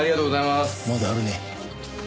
まだあるね。